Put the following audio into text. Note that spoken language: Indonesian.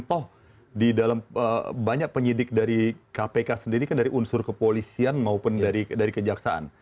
toh di dalam banyak penyidik dari kpk sendiri kan dari unsur kepolisian maupun dari kejaksaan